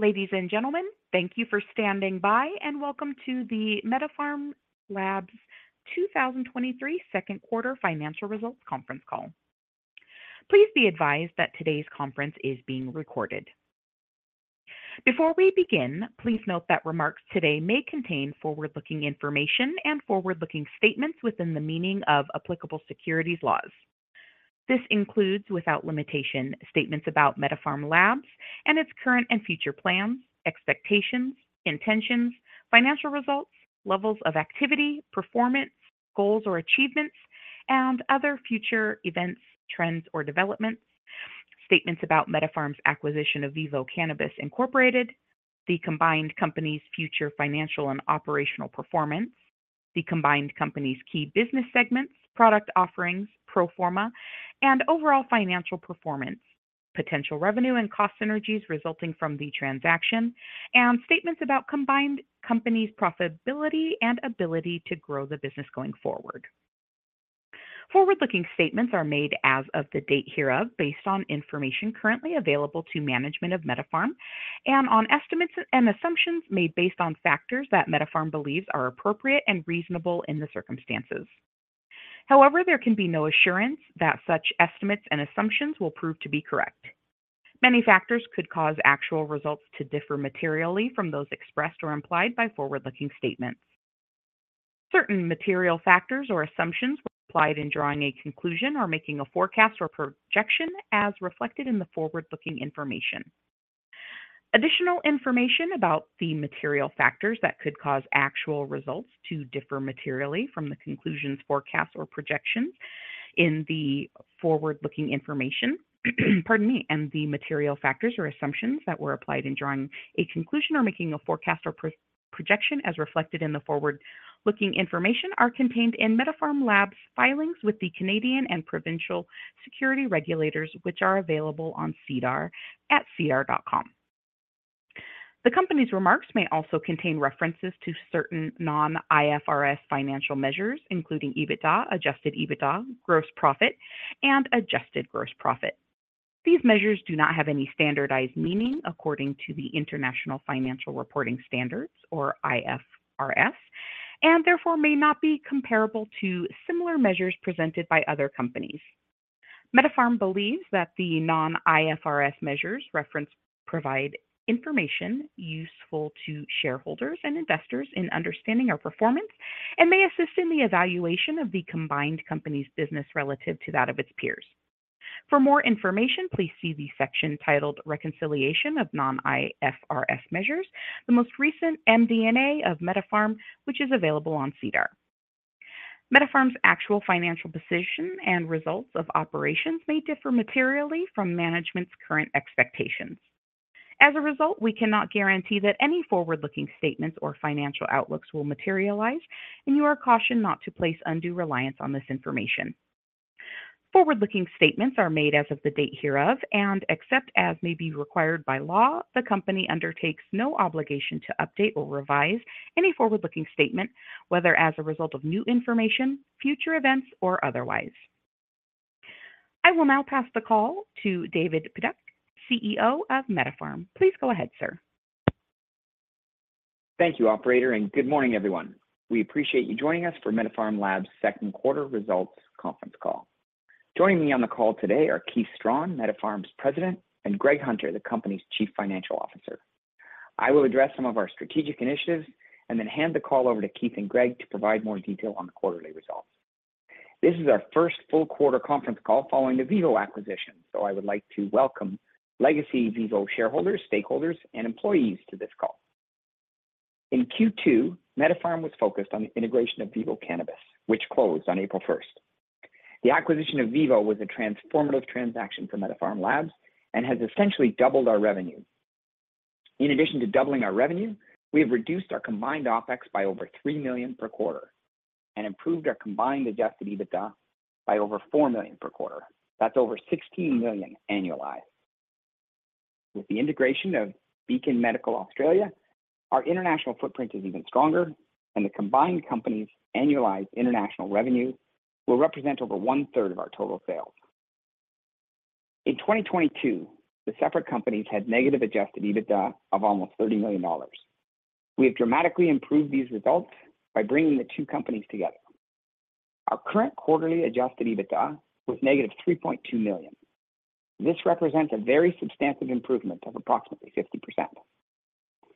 Ladies and gentlemen, thank you for standing by, and welcome to the MediPharm Labs' 2023 second quarter financial results conference call. Please be advised that today's conference is being recorded. Before we begin, please note that remarks today may contain forward-looking information and forward-looking statements within the meaning of applicable securities laws. This includes, without limitation, statements about MediPharm Labs and its current and future plans, expectations, intentions, financial results, levels of activity, performance, goals or achievements, and other future events, trends, or developments. Statements about MediPharm's acquisition of VIVO Cannabis, Incorporated, the combined company's future financial and operational performance, the combined company's key business segments, product offerings, pro forma, and overall financial performance, potential revenue and cost synergies resulting from the transaction, and statements about combined company's profitability and ability to grow the business going forward. Forward-looking statements are made as of the date hereof, based on information currently available to management of MediPharm Labs, and on estimates and assumptions made based on factors that MediPharm Labs believes are appropriate and reasonable in the circumstances. However, there can be no assurance that such estimates and assumptions will prove to be correct. Many factors could cause actual results to differ materially from those expressed or implied by forward-looking statements. Certain material factors or assumptions were applied in drawing a conclusion or making a forecast or projection, as reflected in the forward-looking information. Additional information about the material factors that could cause actual results to differ materially from the conclusions, forecasts, or projections in the forward-looking information, pardon me, and the material factors or assumptions that were applied in drawing a conclusion or making a forecast or projection, as reflected in the forward-looking information, are contained in MediPharm Labs' filings with the Canadian and provincial security regulators, which are available on SEDAR at SEDAR.com. The company's remarks may also contain references to certain non-IFRS financial measures, including EBITDA, adjusted EBITDA, gross profit, and adjusted gross profit. These measures do not have any standardized meaning according to the International Financial Reporting Standards, or IFRS, and therefore may not be comparable to similar measures presented by other companies. MediPharm Labs believes that the non-IFRS measures referenced provide information useful to shareholders and investors in understanding our performance and may assist in the evaluation of the combined company's business relative to that of its peers. For more information, please see the section titled "Reconciliation of Non-IFRS Measures," the most recent MD&A of MediPharm Labs, which is available on SEDAR. MediPharm Labs' actual financial position and results of operations may differ materially from management's current expectations. As a result, we cannot guarantee that any forward-looking statements or financial outlooks will materialize, and you are cautioned not to place undue reliance on this information. Forward-looking statements are made as of the date hereof, and except as may be required by law, the company undertakes no obligation to update or revise any forward-looking statement, whether as a result of new information, future events, or otherwise. I will now pass the call to David Pidduck, CEO of MediPharm Labs. Please go ahead, sir. Thank you, operator. Good morning, everyone. We appreciate you joining us for MediPharm Labs' second quarter results conference call. Joining me on the call today are Keith Strachan, MediPharm's President, and Greg Hunter, the company's Chief Financial Officer. I will address some of our strategic initiatives and then hand the call over to Keith and Greg to provide more detail on the quarterly results. This is our first full quarter conference call following the VIVO acquisition, so I would like to welcome legacy VIVO shareholders, stakeholders, and employees to this call. In Q2, MediPharm was focused on the integration of VIVO Cannabis, which closed on April 1st. The acquisition of VIVO was a transformative transaction for MediPharm Labs and has essentially doubled our revenue. In addition to doubling our revenue, we have reduced our combined OpEx by over 3 million per quarter and improved our combined adjusted EBITDA by over 4 million per quarter. That's over 16 million annualized. With the integration of Beacon Medical Australia, our international footprint is even stronger, and the combined company's annualized international revenue will represent over one-third of our total sales. In 2022, the separate companies had negative adjusted EBITDA of almost 30 million dollars. We have dramatically improved these results by bringing the two companies together. Our current quarterly adjusted EBITDA was negative 3.2 million. This represents a very substantive improvement of approximately 50%.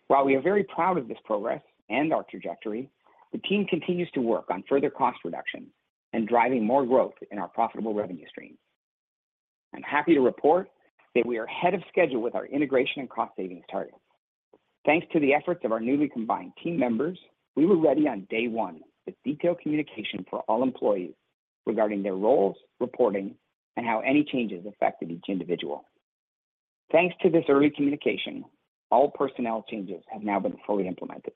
While we are very proud of this progress and our trajectory, the team continues to work on further cost reductions and driving more growth in our profitable revenue streams. I'm happy to report that we are ahead of schedule with our integration and cost savings targets. Thanks to the efforts of our newly combined team members, we were ready on day one with detailed communication for all employees regarding their roles, reporting, and how any changes affected each individual. Thanks to this early communication, all personnel changes have now been fully implemented.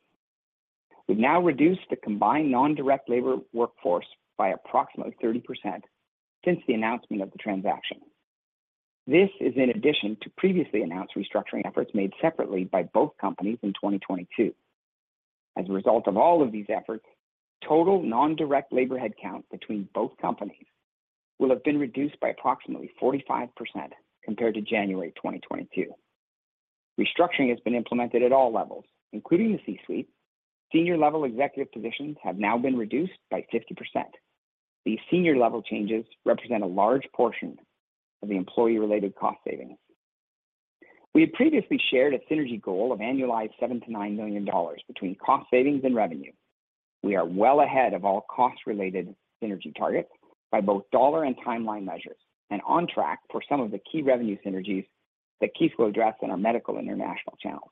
We've now reduced the combined non-direct labor workforce by approximately 30% since the announcement of the transaction. This is in addition to previously announced restructuring efforts made separately by both companies in 2022. As a result of all of these efforts, total non-direct labor headcount between both companies will have been reduced by approximately 45% compared to January 2022. Restructuring has been implemented at all levels, including the C-suite. Senior-level executive positions have now been reduced by 50%. These senior-level changes represent a large portion of the employee-related cost savings. We had previously shared a synergy goal of annualized 7 million-9 million dollars between cost savings and revenue. We are well ahead of all cost-related synergy targets by both dollar and timeline measures, and on track for some of the key revenue synergies that Keith will address in our medical international channels.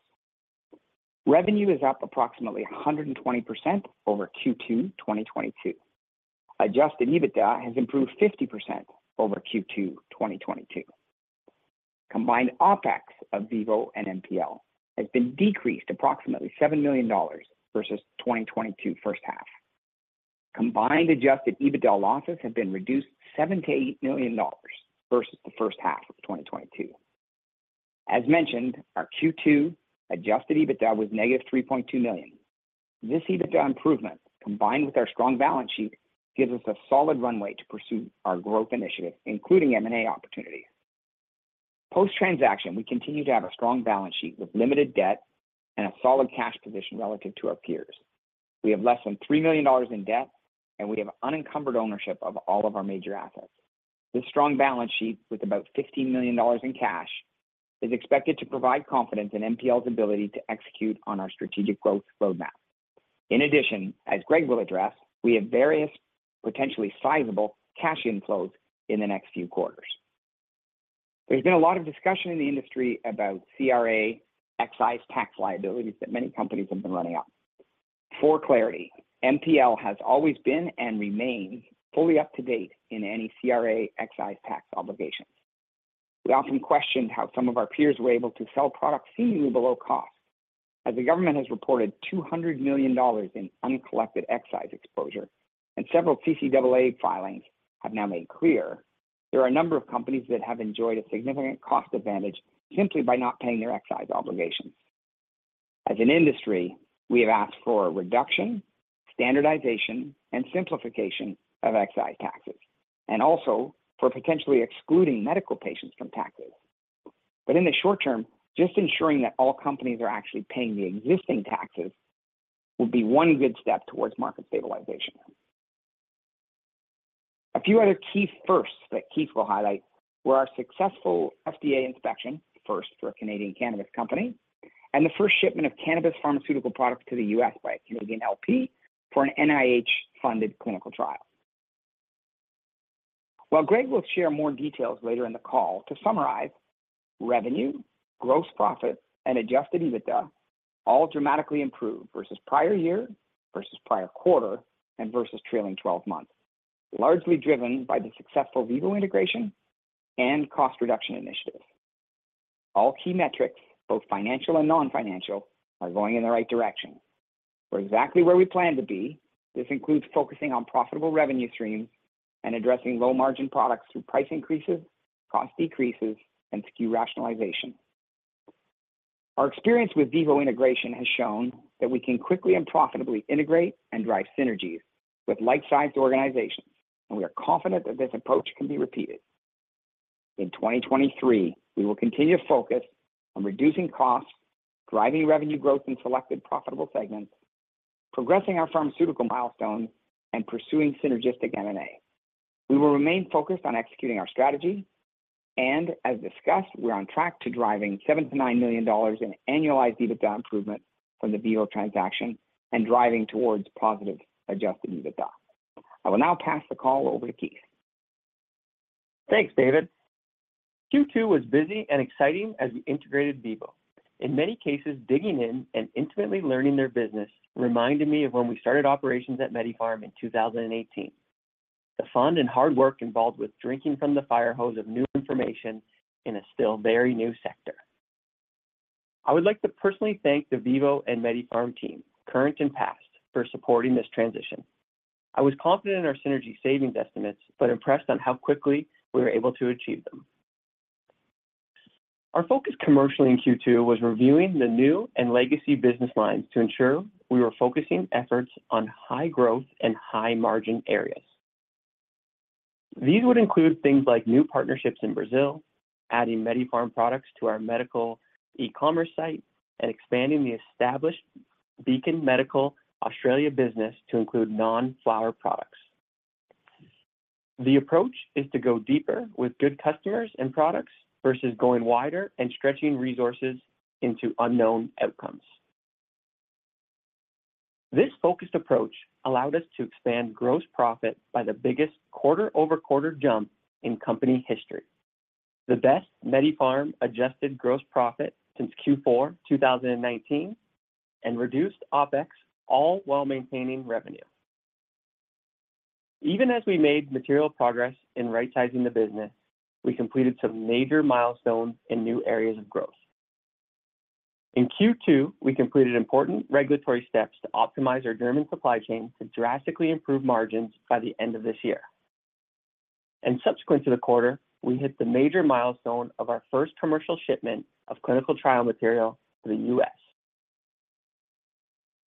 Revenue is up approximately 120% over Q2 2022. Adjusted EBITDA has improved 50% over Q2 2022. Combined OpEx of VIVO and MPL has been decreased approximately 7 million dollars versus 2022 first half. Combined adjusted EBITDA losses have been reduced 7 million-8 million dollars versus the first half of 2022. As mentioned, our Q2 adjusted EBITDA was negative 3.2 million. This EBITDA improvement, combined with our strong balance sheet, gives us a solid runway to pursue our growth initiatives, including M&A opportunities. Post-transaction, we continue to have a strong balance sheet with limited debt and a solid cash position relative to our peers. We have less than 3 million dollars in debt, we have unencumbered ownership of all of our major assets. This strong balance sheet, with about 15 million dollars in cash, is expected to provide confidence in MPL's ability to execute on our strategic growth roadmap. In addition, as Greg will address, we have various potentially sizable cash inflows in the next few quarters. There's been a lot of discussion in the industry about CRA excise tax liabilities that many companies have been running on. For clarity, MPL has always been and remains fully up to date in any CRA excise tax obligations. We often questioned how some of our peers were able to sell products seemingly below cost, as the government has reported 200 million dollars in uncollected excise exposure. Several CCAA filings have now made clear there are a number of companies that have enjoyed a significant cost advantage simply by not paying their excise obligations. As an industry, we have asked for a reduction, standardization, and simplification of excise taxes, and also for potentially excluding medical patients from taxes. In the short term, just ensuring that all companies are actually paying the existing taxes will be one good step towards market stabilization. A few other key firsts that Keith will highlight were our successful FDA inspection, a first for a Canadian cannabis company, and the first shipment of cannabis pharmaceutical products to the U.S. by a Canadian LP for an NIH-funded clinical trial. While Greg will share more details later in the call, to summarize, revenue, gross profit, and adjusted EBITDA all dramatically improved versus prior year, versus prior quarter, and versus trailing 12 months, largely driven by the successful VIVO integration and cost reduction initiatives. All key metrics, both financial and non-financial, are going in the right direction. We're exactly where we plan to be. This includes focusing on profitable revenue streams and addressing low-margin products through price increases, cost decreases, and SKU rationalization. Our experience with VIVO integration has shown that we can quickly and profitably integrate and drive synergies with like-sized organizations, and we are confident that this approach can be repeated. In 2023, we will continue to focus on reducing costs, driving revenue growth in selected profitable segments, progressing our pharmaceutical milestones, and pursuing synergistic M&A. We will remain focused on executing our strategy, and as discussed, we're on track to driving 7 million-9 million dollars in annualized EBITDA improvement from the VIVO transaction and driving towards positive adjusted EBITDA. I will now pass the call over to Keith. Thanks, David. Q2 was busy and exciting as we integrated VIVO. In many cases, digging in and intimately learning their business reminded me of when we started operations at MediPharm in 2018. The fun and hard work involved with drinking from the fire hose of new information in a still very new sector. I would like to personally thank the VIVO and MediPharm team, current and past, for supporting this transition. I was confident in our synergy savings estimates, but impressed on how quickly we were able to achieve them. Our focus commercially in Q2 was reviewing the new and legacy business lines to ensure we were focusing efforts on high-growth and high-margin areas. These would include things like new partnerships in Brazil, adding MediPharm products to our medical e-commerce site, and expanding the established Beacon Medical Australia business to include non-flower products. The approach is to go deeper with good customers and products versus going wider and stretching resources into unknown outcomes. This focused approach allowed us to expand gross profit by the biggest quarter-over-quarter jump in company history, the best MediPharm adjusted gross profit since Q4 2019, and reduced OpEx, all while maintaining revenue. Even as we made material progress in right-sizing the business, we completed some major milestones in new areas of growth. In Q2, we completed important regulatory steps to optimize our German supply chain to drastically improve margins by the end of this year. Subsequent to the quarter, we hit the major milestone of our first commercial shipment of clinical trial material to the U.S.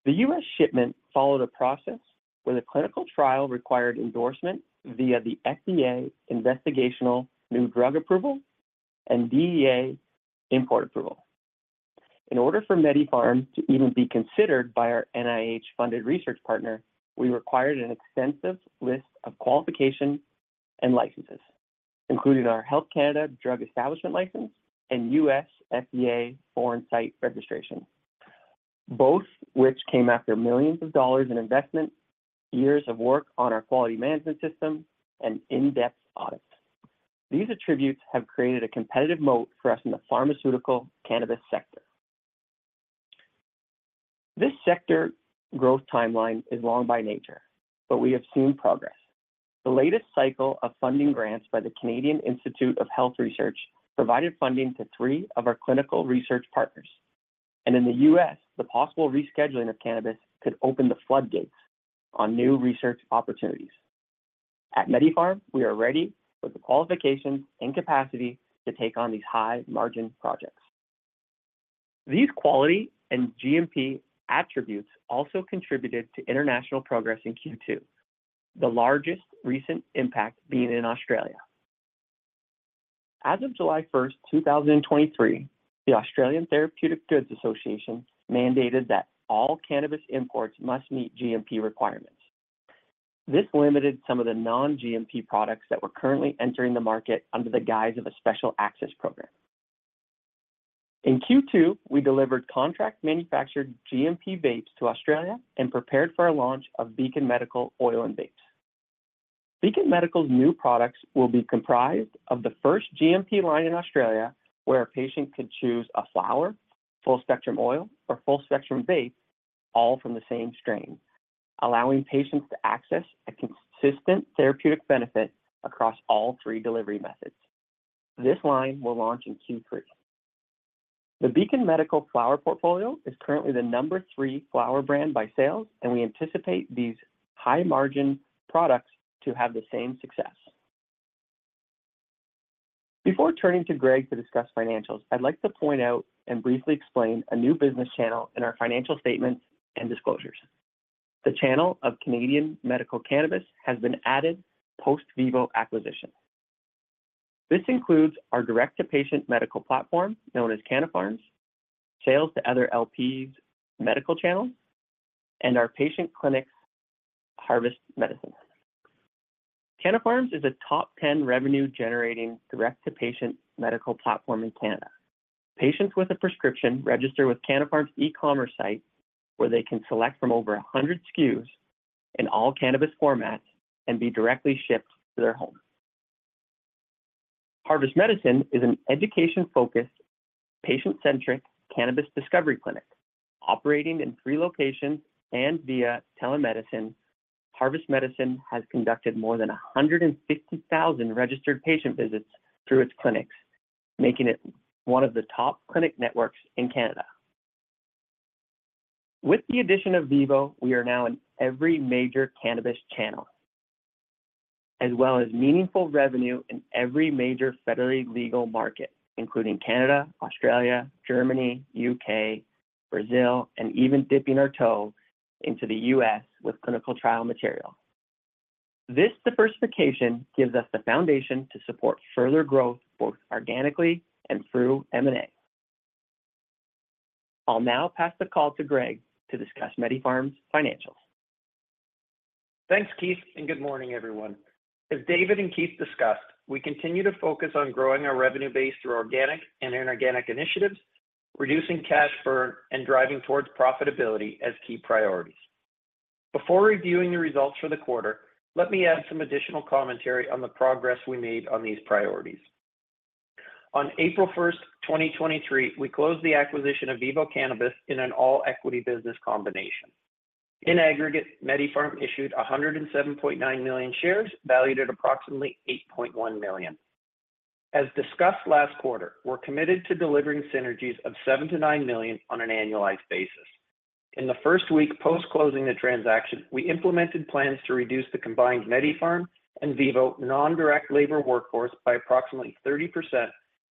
The U.S. shipment followed a process where the clinical trial required endorsement via the FDA Investigational New Drug approval and DEA import approval. In order for MediPharm to even be considered by our NIH-funded research partner, we required an extensive list of qualifications and licenses, including our Health Canada Drug Establishment License and U.S. FDA Foreign Site Registration, both which came after millions dollars in investment, years of work on our quality management system, and in-depth audits. These attributes have created a competitive moat for us in the pharmaceutical cannabis sector. This sector growth timeline is long by nature, but we have seen progress. The latest cycle of funding grants by the Canadian Institutes of Health Research provided funding to three of our clinical research partners. In the U.S., the possible rescheduling of cannabis could open the floodgates on new research opportunities. At MediPharm, we are ready with the qualifications and capacity to take on these high-margin projects. These quality and GMP attributes also contributed to international progress in Q2, the largest recent impact being in Australia. As of July 1st, 2023, the Australian Therapeutic Goods Administration mandated that all cannabis imports must meet GMP requirements. This limited some of the non-GMP products that were currently entering the market under the guise of a Special Access Program. In Q2, we delivered contract-manufactured GMP vapes to Australia and prepared for our launch of Beacon Medical Oil and Vapes. Beacon Medical's new products will be comprised of the first GMP line in Australia, where a patient can choose a flower, full-spectrum oil, or full-spectrum vape, all from the same strain, allowing patients to access a consistent therapeutic benefit across all three delivery methods. This line will launch in Q3. The Beacon Medical flower portfolio is currently the number three flower brand by sales, and we anticipate these high-margin products to have the same success. Before turning to Greg to discuss financials, I'd like to point out and briefly explain a new business channel in our financial statements and disclosures. The channel of Canadian medical cannabis has been added post-VIVO acquisition. This includes our direct-to-patient medical platform, known as Canna Farms, sales to other LPs medical channels, and our patient clinic, Harvest Medicine. Canna Farms is a top 10 revenue-generating, direct-to-patient medical platform in Canada. Patients with a prescription register with Canna Farms' e-commerce site, where they can select from over 100 SKUs in all cannabis formats and be directly shipped to their home. Harvest Medicine is an education-focused, patient-centric cannabis discovery clinic. Operating in three locations and via telemedicine, Harvest Medicine has conducted more than 150,000 registered patient visits through its clinics, making it one of the top clinic networks in Canada. With the addition of VIVO, we are now in every major cannabis channel, as well as meaningful revenue in every major federally legal market, including Canada, Australia, Germany, U.K., Brazil, and even dipping our toes into the U.S. with clinical trial material. This diversification gives us the foundation to support further growth, both organically and through M&A. I'll now pass the call to Greg to discuss MediPharm's financials. Thanks, Keith. Good morning, everyone. As David and Keith discussed, we continue to focus on growing our revenue base through organic and inorganic initiatives, reducing cash burn, and driving towards profitability as key priorities. Before reviewing the results for the quarter, let me add some additional commentary on the progress we made on these priorities. On April 1st, 2023, we closed the acquisition of VIVO Cannabis in an all-equity business combination. In aggregate, MediPharm issued 107.9 million shares, valued at approximately 8.1 million. As discussed last quarter, we're committed to delivering synergies of 7 million-9 million on an annualized basis. In the first week post-closing the transaction, we implemented plans to reduce the combined MediPharm and VIVO non-direct labor workforce by approximately 30%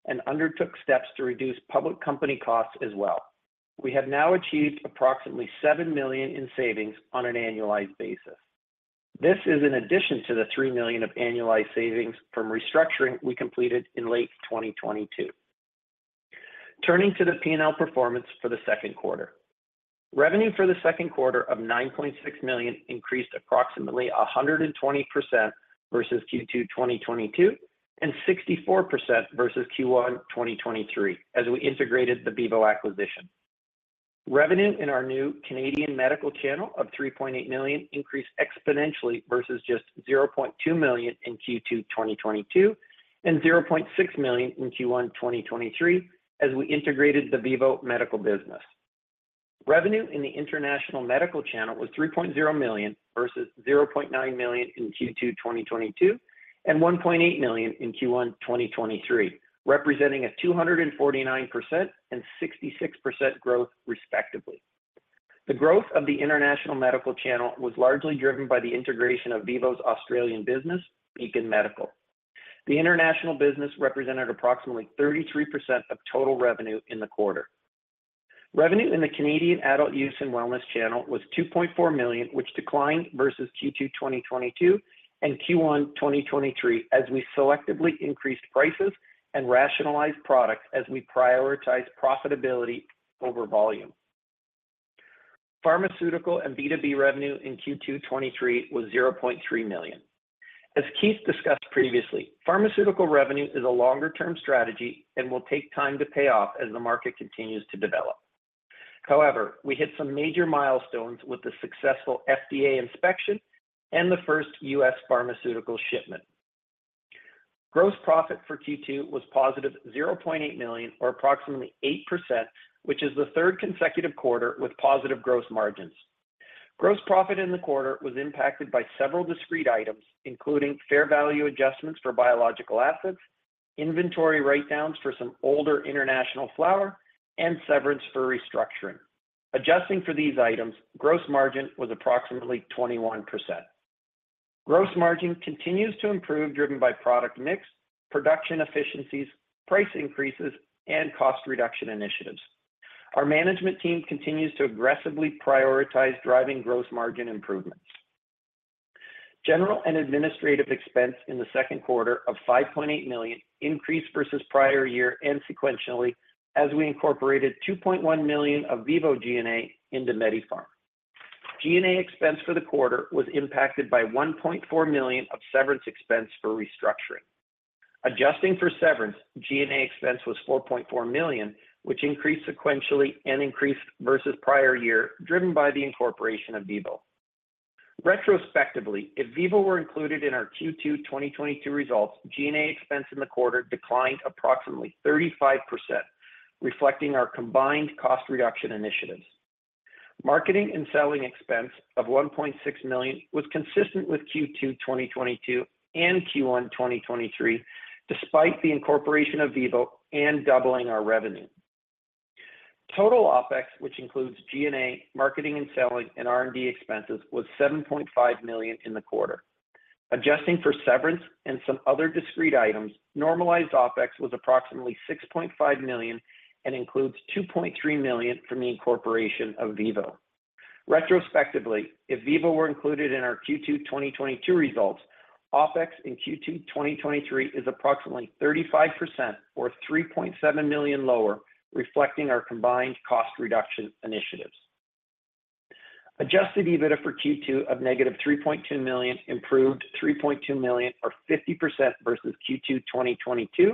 and undertook steps to reduce public company costs as well. We have now achieved approximately 7 million in savings on an annualized basis. This is in addition to the 3 million of annualized savings from restructuring we completed in late 2022. Turning to the P&L performance for the second quarter. Revenue for the second quarter of 9.6 million increased approximately 120% versus Q2 2022, and 64% versus Q1 2023, as we integrated the VIVO acquisition. Revenue in our new Canadian medical channel of 3.8 million increased exponentially versus just 0.2 million in Q2 2022 and 0.6 million in Q1 2023, as we integrated the VIVO medical business. Revenue in the international medical channel was 3.0 million versus 0.9 million in Q2 2022 and 1.8 million in Q1 2023, representing a 249% and 66% growth, respectively. The growth of the international medical channel was largely driven by the integration of VIVO's Australian business, Beacon Medical. The international business represented approximately 33% of total revenue in the quarter. Revenue in the Canadian adult use and wellness channel was 2.4 million, which declined versus Q2 2022 and Q1 2023, as we selectively increased prices and rationalized products as we prioritize profitability over volume. Pharmaceutical and B2B revenue in Q2 2023 was 0.3 million. As Keith discussed previously, pharmaceutical revenue is a longer-term strategy and will take time to pay off as the market continues to develop. We hit some major milestones with the successful FDA inspection and the first US pharmaceutical shipment. Gross profit for Q2 was positive 0.8 million, or approximately 8%, which is the third consecutive quarter with positive gross margins. Gross profit in the quarter was impacted by several discrete items, including fair value adjustments for biological assets, inventory write-downs for some older international flower, and severance for restructuring. Adjusting for these items, gross margin was approximately 21%. Gross margin continues to improve, driven by product mix, production efficiencies, price increases, and cost reduction initiatives. Our management team continues to aggressively prioritize driving gross margin improvements. General and administrative expense in the second quarter of 5.8 million increased versus prior year and sequentially as we incorporated 2.1 million of VIVO G&A into MediPharm. G&A expense for the quarter was impacted by 1.4 million of severance expense for restructuring. Adjusting for severance, G&A expense was 4.4 million, which increased sequentially and increased versus prior year, driven by the incorporation of VIVO. Retrospectively, if VIVO were included in our Q2 2022 results, G&A expense in the quarter declined approximately 35%, reflecting our combined cost reduction initiatives. Marketing and selling expense of 1.6 million was consistent with Q2 2022 and Q1 2023, despite the incorporation of VIVO and doubling our revenue. Total OpEx, which includes G&A, marketing and selling, and R&D expenses, was 7.5 million in the quarter. Adjusting for severance and some other discrete items, normalized OpEx was approximately 6.5 million and includes 2.3 million from the incorporation of VIVO. Retrospectively, if VIVO were included in our Q2 2022 results, OpEx in Q2 2023 is approximately 35% or 3.7 million lower, reflecting our combined cost reduction initiatives. Adjusted EBITDA for Q2 of negative 3.2 million improved 3.2 million or 50% versus Q2 2022,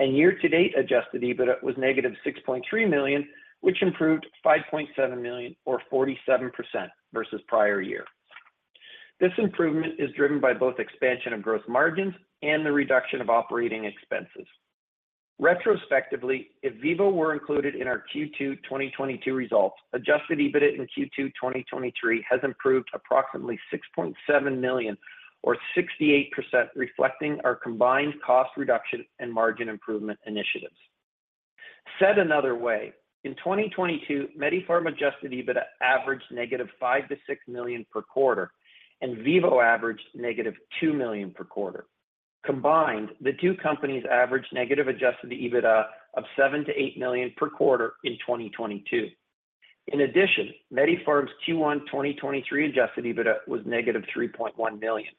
and year-to-date Adjusted EBITDA was negative 6.3 million, which improved 5.7 million or 47% versus prior year. This improvement is driven by both expansion of gross margins and the reduction of operating expenses. Retrospectively, if VIVO were included in our Q2 2022 results, Adjusted EBITDA in Q2 2023 has improved approximately 6.7 million or 68%, reflecting our combined cost reduction and margin improvement initiatives. Said another way, in 2022, MediPharm Adjusted EBITDA averaged negative 5 million-6 million per quarter, and VIVO averaged negative 2 million per quarter. Combined, the two companies averaged negative Adjusted EBITDA of 7 million-8 million per quarter in 2022. In addition, MediPharm's Q1 2023 Adjusted EBITDA was negative 3.1 million.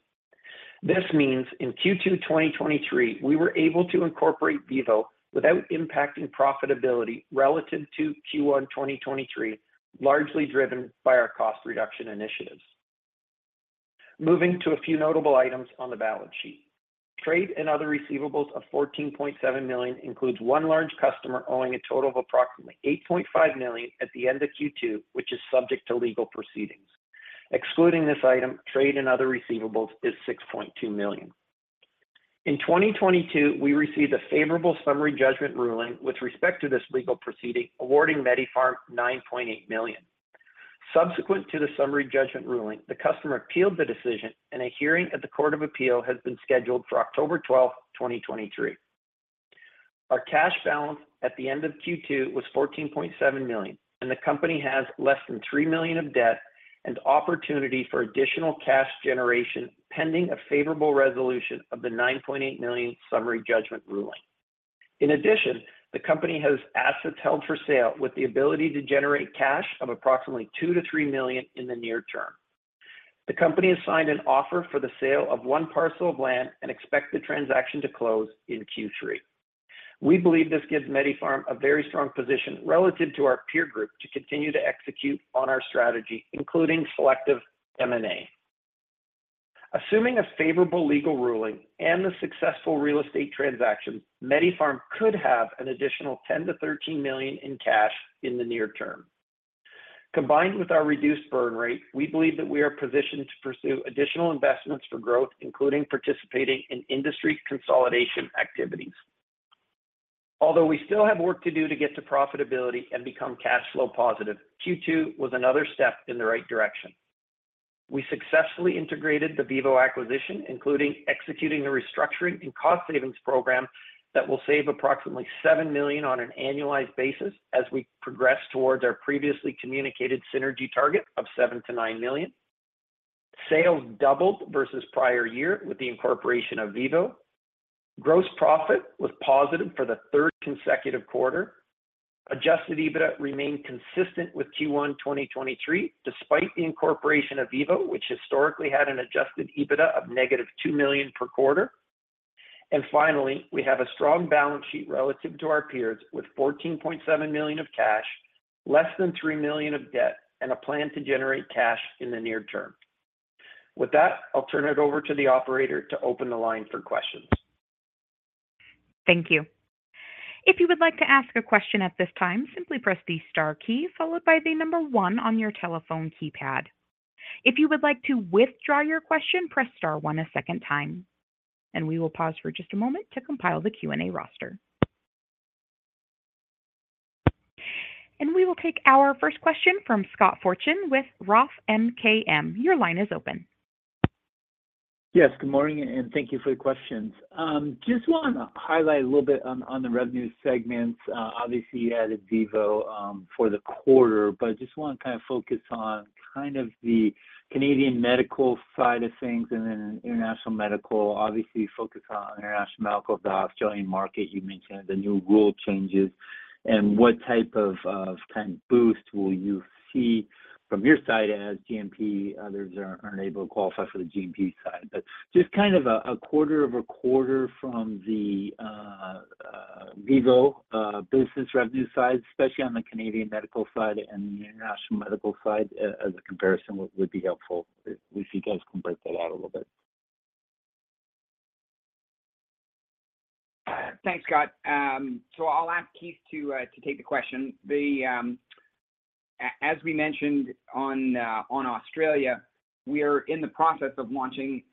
This means in Q2 2023, we were able to incorporate VIVO without impacting profitability relative to Q1 2023, largely driven by our cost reduction initiatives. Moving to a few notable items on the balance sheet. Trade and other receivables of 14.7 million includes one large customer owing a total of approximately 8.5 million at the end of Q2, which is subject to legal proceedings. Excluding this item, trade and other receivables is 6.2 million. In 2022, we received a favorable summary judgment ruling with respect to this legal proceeding, awarding MediPharm 9.8 million. Subsequent to the summary judgment ruling, the customer appealed the decision, and a hearing at the Court of Appeal has been scheduled for October 12, 2023. Our cash balance at the end of Q2 was 14.7 million, and the company has less than 3 million of debt and opportunity for additional cash generation, pending a favorable resolution of the 9.8 million summary judgment ruling. In addition, the company has assets held for sale with the ability to generate cash of approximately 2 million-3 million in the near term. The company has signed an offer for the sale of one parcel of land and expects the transaction to close in Q3. We believe this gives MediPharm a very strong position relative to our peer group to continue to execute on our strategy, including selective M&A. Assuming a favorable legal ruling and the successful real estate transaction, MediPharm could have an additional 10 million-13 million in cash in the near term. Combined with our reduced burn rate, we believe that we are positioned to pursue additional investments for growth, including participating in industry consolidation activities. Although we still have work to do to get to profitability and become cash flow positive, Q2 was another step in the right direction. ...We successfully integrated the VIVO acquisition, including executing the restructuring and cost savings program that will save approximately 7 million on an annualized basis as we progress towards our previously communicated synergy target of 7 million-9 million. Sales doubled versus prior year with the incorporation of VIVO. Gross profit was positive for the third consecutive quarter. Adjusted EBITDA remained consistent with Q1 2023, despite the incorporation of VIVO, which historically had an adjusted EBITDA of negative 2 million per quarter. Finally, we have a strong balance sheet relative to our peers, with 14.7 million of cash, less than 3 million of debt, and a plan to generate cash in the near term. With that, I'll turn it over to the operator to open the line for questions. Thank you. If you would like to ask a question at this time, simply press the star key followed by 1 on your telephone keypad. If you would like to withdraw your question, press star one a second time, we will pause for just a moment to compile the Q&A roster. We will take our first question from Scott Fortune with Roth MKM. Your line is open. Yes, good morning, thank you for the questions. Just want to highlight a little bit on, on the revenue segments. Obviously, you added VIVO for the quarter, just want to kind of focus on kind of the Canadian medical side of things and then international medical. Obviously, focus on international medical, the Australian market. You mentioned the new rule changes and what type of, of kind of boost will you see from your side as GMP, others are, aren't able to qualify for the GMP side? Just kind of a, a quarter-over-quarter from the VIVO business revenue side, especially on the Canadian medical side and the international medical side, as a comparison, would, would be helpful, if, if you guys can break that out a little bit. Thanks, Scott. I'll ask Keith to take the question. The as we mentioned on Australia, we are in the process of launching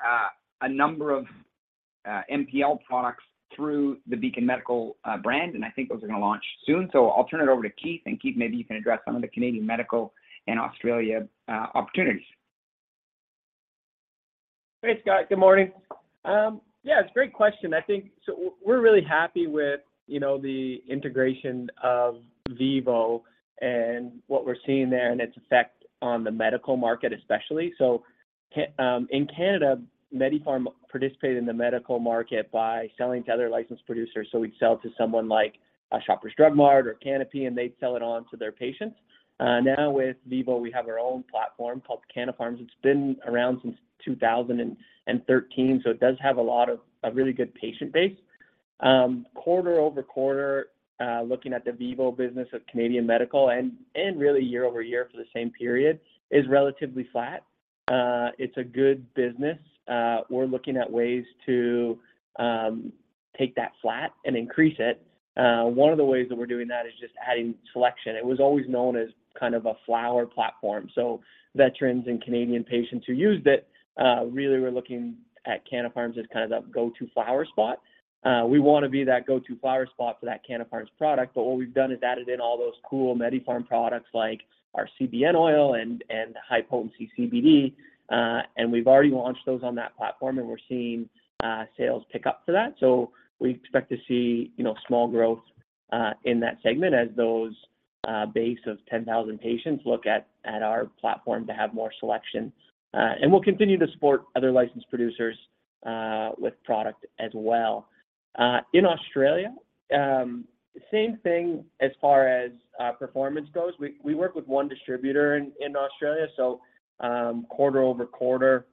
a number of NPL products through the Beacon Medical brand, and I think those are going to launch soon. I'll turn it over to Keith, and Keith, maybe you can address some of the Canadian medical and Australia opportunities. Hey, Scott. Good morning. Yeah, it's a great question. I think, we're really happy with, you know, the integration of VIVO and what we're seeing there and its effect on the medical market, especially. In Canada, MediPharm participated in the medical market by selling to other licensed producers. We'd sell to someone like a Shoppers Drug Mart or Canopy, and they'd sell it on to their patients. Now with VIVO, we have our own platform called Canna Farms. It's been around since 2013, so it does have a lot of a really good patient base. Quarter-over-quarter, looking at the VIVO business of Canadian Medical and, really year-over-year for the same period, is relatively flat. It's a good business. We're looking at ways to take that flat and increase it. One of the ways that we're doing that is just adding selection. It was always known as kind of a flower platform, so veterans and Canadian patients who used it, really were looking at Canna Farms as kind of that go-to flower spot. We want to be that go-to flower spot for that Canna Farms product, but what we've done is added in all those cool MediPharm products like our CBN oil and High-potency CBD. We've already launched those on that platform, and we're seeing sales pick up for that. We expect to see, you know, small growth in that segment as those base of 10,000 patients look at, at our platform to have more selection. We'll continue to support other licensed producers with product as well. In Australia, same thing as far as performance goes. We, we work with 1 distributor in Australia, so, quarter-over-quarter,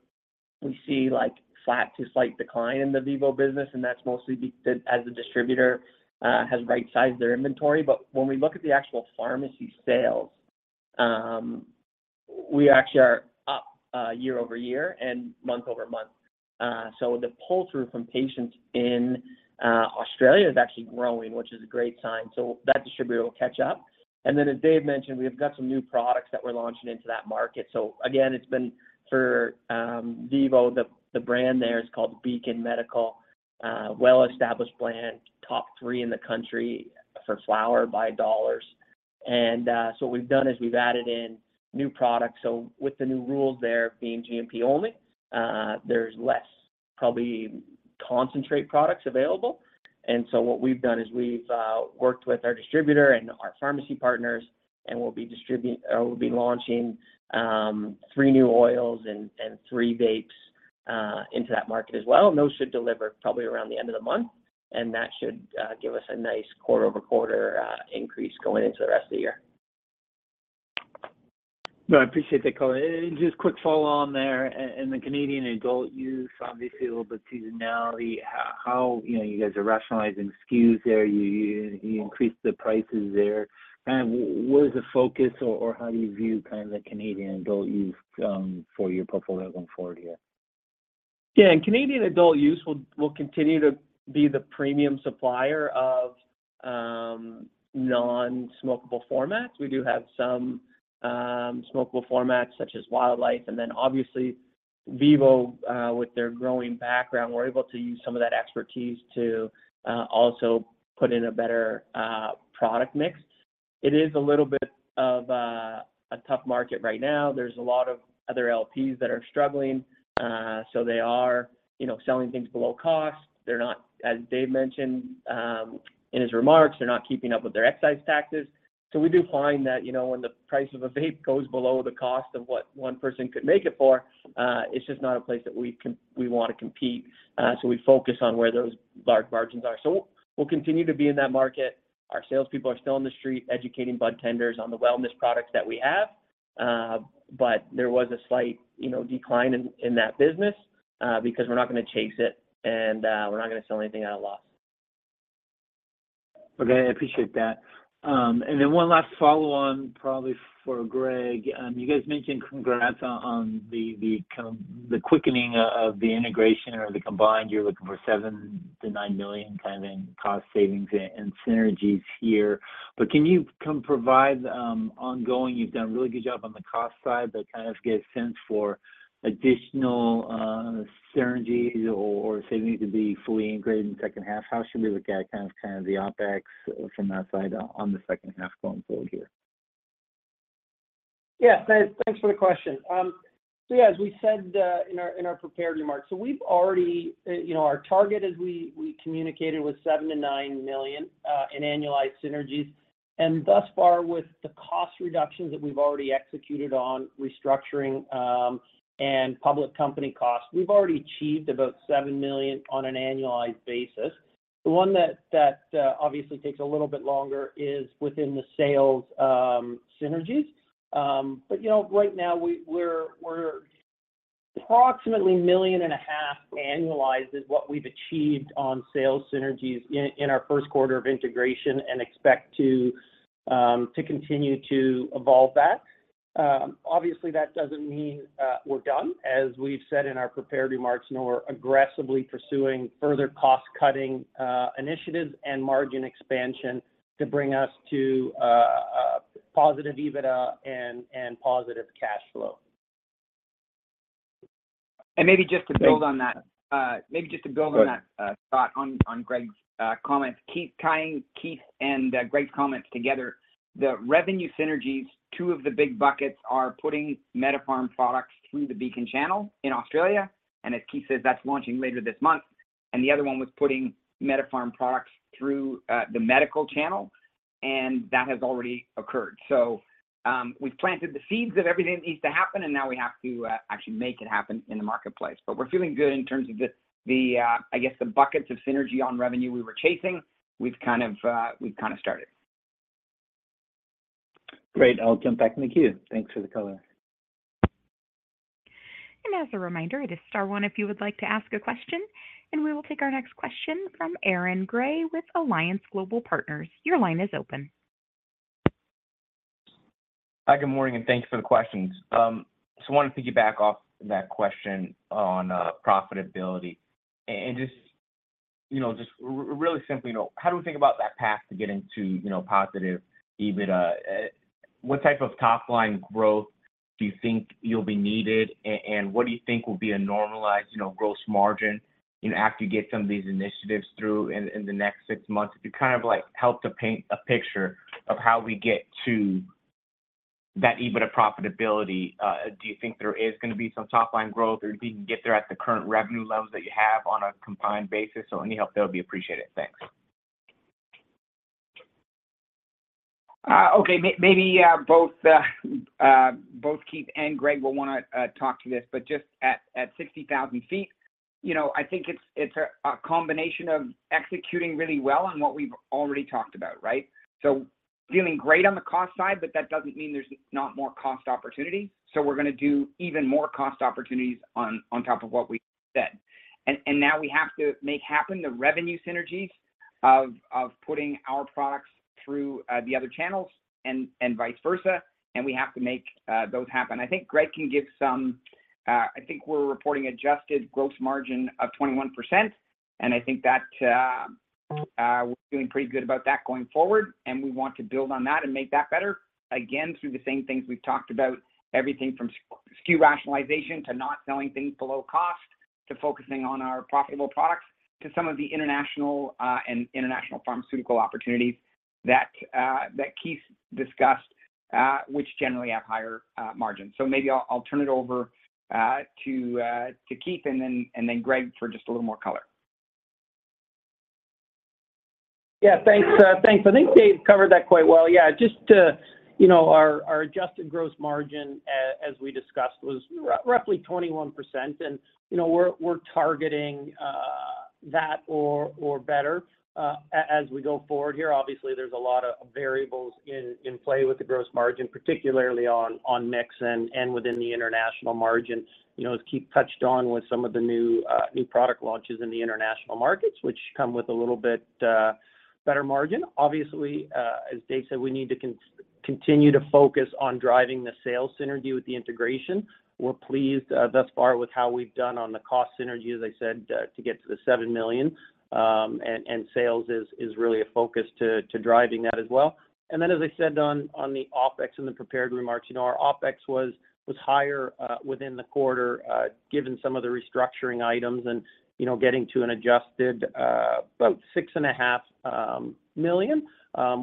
we see, like, flat to slight decline in the VIVO business, and that's mostly as the distributor has right-sized their inventory. When we look at the actual pharmacy sales, we actually are up year-over-year and month-over-month. The pull-through from patients in Australia is actually growing, which is a great sign, so that distributor will catch up. As David mentioned, we've got some new products that we're launching into that market. Again, it's been for VIVO, the brand there is called Beacon Medical. Well-established brand, top three in the country for flower by dollars. What we've done is we've added in new products. With the new rules there, being GMP only, there's less probably concentrate products available. What we've done is we've worked with our distributor and our pharmacy partners, and we'll be launching three new oils and three vapes into that market as well. Those should deliver probably around the end of the month, and that should give us a nice quarter-over-quarter increase going into the rest of the year. No, I appreciate that color. Just quick follow on there, in the Canadian adult use, obviously, a little bit seasonality, how, how, you know, you guys are rationalizing SKUs there, you, you increased the prices there. Kind of what is the focus or, or how do you view kind of the Canadian adult use, for your portfolio going forward here? Yeah, in Canadian adult use, we'll, we'll continue to be the premium supplier of, non-smokable formats. We do have some, smokable formats, such as Wildlife, and then obviously. VIVO, with their growing background, we're able to use some of that expertise to also put in a better product mix. It is a little bit of a tough market right now. There's a lot of other LPs that are struggling, they are, you know, selling things below cost. They're not, as Dave mentioned, in his remarks, they're not keeping up with their excise taxes. We do find that, you know, when the price of a vape goes below the cost of what one person could make it for, it's just not a place that we want to compete, so we focus on where those large margins are. We'll continue to be in that market. Our salespeople are still on the street, educating budtenders on the wellness products that we have. There was a slight, you know, decline in, in that business, because we're not gonna chase it, we're not gonna sell anything at a loss. Okay, I appreciate that. One last follow-on, probably for Greg. You guys mentioned congrats on the quickening of the integration or the combined. You're looking for 7 million-9 million kind of in cost savings and synergies here. Can you come provide, ongoing-- You've done a really good job on the cost side, but kind of get a sense for additional, synergies or if they need to be fully integrated in the second half. How should we look at kind of the OpEx from that side on the second half going forward here? Yeah, thanks, thanks for the question. You know, as we said in our prepared remarks, our target, as we communicated, was 7 million-9 million in annualized synergies, and thus far, with the cost reductions that we've already executed on restructuring and public company costs, we've already achieved about 7 million on an annualized basis. The one that, that obviously takes a little bit longer is within the sales synergies. You know, right now, we're approximately 1.5 million annualized is what we've achieved on sales synergies in our first quarter of integration and expect to continue to evolve that. Obviously, that doesn't mean we're done. As we've said in our prepared remarks, know we're aggressively pursuing further cost-cutting initiatives and margin expansion to bring us to a positive EBITDA and, and positive cash flow. Maybe just to build on that. Thanks. maybe just to build on that- Go ahead. thought, on, on Greg's comments, keep tying Keith and Greg's comments together. The revenue synergies, two of the big buckets are putting MediPharm products through the Beacon channel in Australia, and as Keith says, that's launching later this month. The other one was putting MediPharm products through the medical channel, and that has already occurred. We've planted the seeds of everything that needs to happen, and now we have to actually make it happen in the marketplace. We're feeling good in terms of the, the, I guess, the buckets of synergy on revenue we were chasing. We've kind of, we've kind of started. Great. I'll jump back in the queue. Thanks for the color. As a reminder, it is star one if you would like to ask a question, and we will take our next question from Aaron Grey with Alliance Global Partners. Your line is open. Hi, good morning, and thanks for the questions. Wanted to piggyback off that question on profitability. you know, how do we think about that path to getting to, you know, positive EBITDA? What type of top-line growth do you think you'll be needed, and what do you think will be a normalized, you know, gross margin, you know, after you get some of these initiatives through in, in the next 6 months? If you kind of, like, help to paint a picture of how we get to that EBITDA profitability, do you think there is gonna be some top-line growth, or do you think you can get there at the current revenue levels that you have on a combined basis? Any help there will be appreciated. Thanks. Okay. Maybe, both Keith and Greg will wanna talk to this, but just at 60,000 feet, you know, I think it's, it's a combination of executing really well on what we've already talked about, right? Doing great on the cost side, but that doesn't mean there's not more cost opportunity. We're gonna do even more cost opportunities on, on top of what we said. Now we have to make happen the revenue synergies of, of putting our products through the other channels and, and vice versa, and we have to make those happen. I think Greg can give some... I think we're reporting adjusted gross margin of 21%, and I think that we're doing pretty good about that going forward, and we want to build on that and make that better, again, through the same things we've talked about, everything from SKU rationalization to not selling things below cost, to focusing on our profitable products, to some of the international and international pharmaceutical opportunities that Keith discussed, which generally have higher margins. Maybe I'll turn it over to Keith and then Greg for just a little more color. Yeah, thanks. Thanks. I think David covered that quite well. Yeah, just to, you know, our, our adjusted gross margin, as we discussed, was roughly 21%, and, you know, we're, we're targeting that or, or better, as we go forward here. Obviously, there's a lot of variables in, in play with the gross margin, particularly on, on mix and, and within the international margins. You know, as Keith touched on with some of the new, new product launches in the international markets, which come with a little bit better margin. Obviously, as David said, we need to continue to focus on driving the sales synergy with the integration. We're pleased thus far with how we've done on the cost synergy, as I said, to get to the 7 million. Sales is, is really a focus to, to driving that as well. Then, as I said on, on the OpEx in the prepared remarks, you know, our OpEx was, was higher within the quarter, given some of the restructuring items and, you know, getting to an adjusted about 6.5 million,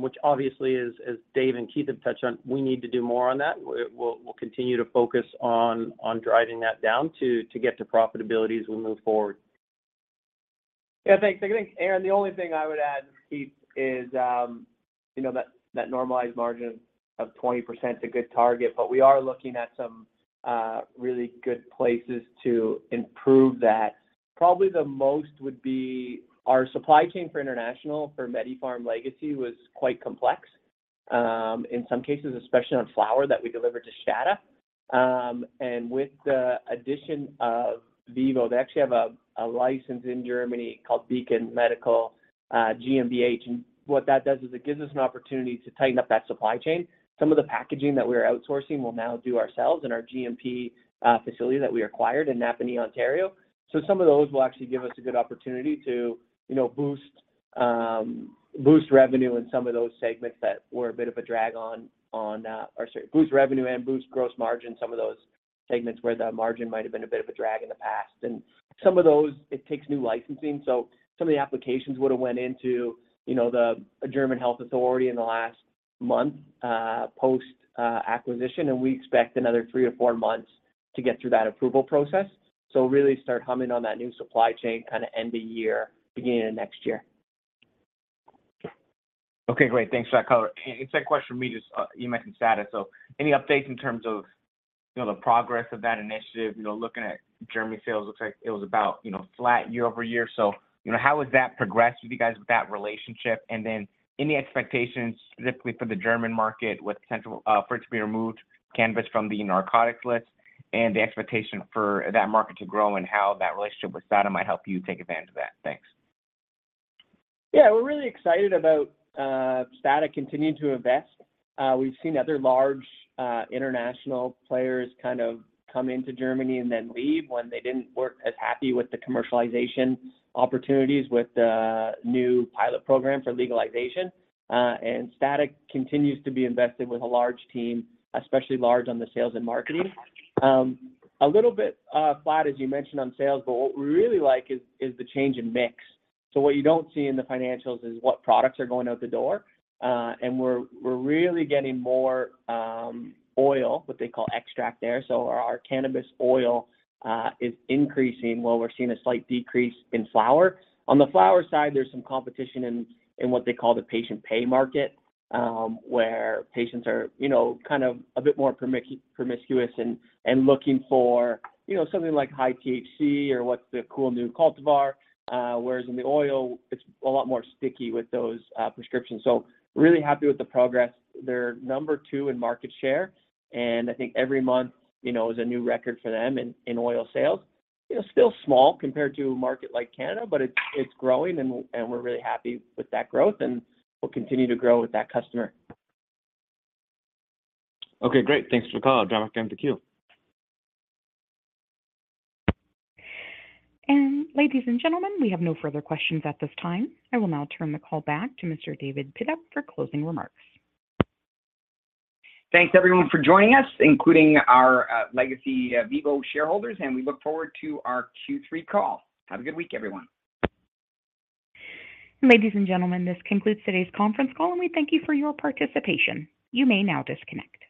which obviously is, as Dave and Keith have touched on, we need to do more on that. We'll, we'll continue to focus on, on driving that down to, to get to profitability as we move forward. Yeah, thanks. I think, Aaron, the only thing I would add, Keith, is, you know, that, that normalized margin of 20% is a good target, but we are looking at some really good places to improve that. Probably the most would be our supply chain for international, for MediPharm legacy was quite complex. In some cases, especially on flower that we delivered to STADA. And with the addition of VIVO, they actually have a license in Germany called Beacon Medical GmbH. And what that does is it gives us an opportunity to tighten up that supply chain. Some of the packaging that we are outsourcing, we'll now do ourselves in our GMP facility that we acquired in Napanee, Ontario. Some of those will actually give us a good opportunity to, you know, boost revenue in some of those segments that were a bit of a drag on. Or sorry, boost revenue and boost gross margin, some of those segments where the margin might have been a bit of a drag in the past. Some of those, it takes new licensing, so some of the applications would have went into, you know, the, a German health authority in the last month, post acquisition, and we expect another three to four months to get through that approval process. Really start humming on that new supply chain, kind of end of year, beginning of next year. Okay, great. Thanks for that color. It's a question from me, just, you mentioned STADA. Any updates in terms of, you know, the progress of that initiative? You know, looking at Germany sales, looks like it was about, you know, flat year-over-year. You know, how has that progressed with you guys with that relationship? Any expectations, specifically for the German market, with central for it to be removed, cannabis from the narcotics list, and the expectation for that market to grow, and how that relationship with STADA might help you take advantage of that? Thanks. Yeah, we're really excited about STADA continuing to invest. We've seen other large international players kind of come into Germany and then leave when they didn't work as happy with the commercialization opportunities with the new pilot program for legalization. STADA continues to be invested with a large team, especially large on the sales and marketing. A little bit flat, as you mentioned on sales, but what we really like is, is the change in mix. What you don't see in the financials is what products are going out the door. We're, we're really getting more oil, what they call extract there. Our cannabis oil is increasing, while we're seeing a slight decrease in flower. On the flower side, there's some competition in what they call the patient pay market, where patients are, you know, kind of a bit more promiscuous and looking for, you know, something like high THC or what's the cool new cultivar. Whereas in the oil, it's a lot more sticky with those prescriptions. Really happy with the progress. They're number two in market share, and I think every month, you know, is a new record for them in oil sales. You know, still small compared to a market like Canada, but it's growing and we're really happy with that growth, and we'll continue to grow with that customer. Okay, great. Thanks for the call. Operator, back down to queue. ladies and gentlemen, we have no further questions at this time. I will now turn the call back to Mr. David Pidduck for closing remarks. Thanks, everyone, for joining us, including our legacy VIVO shareholders, and we look forward to our Q3 call. Have a good week, everyone. Ladies and gentlemen, this concludes today's conference call. We thank you for your participation. You may now disconnect.